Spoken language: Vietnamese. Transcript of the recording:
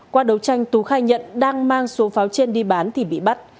qua đấu tranh tú khai nhận đang mang số pháo trên đi bán thì bị bắt